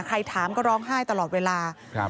ใครถามก็ร้องไห้ตลอดเวลาครับ